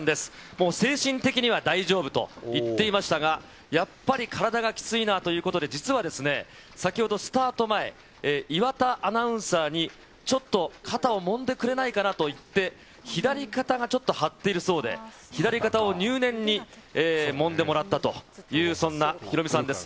もう精神的には大丈夫と言っていましたが、やっぱり体がきついなということで、実はですね、先ほど、スタート前、岩田アナウンサーに、ちょっと肩をもんでくれないかなと言って、左肩がちょっと張っているそうで、左肩を入念にもんでもらったという、そんなヒロミさんです。